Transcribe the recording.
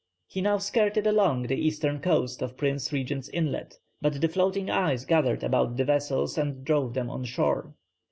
He now skirted along the eastern coast of Prince Regent's Inlet, but the floating ice gathered about the vessels and drove them on shore.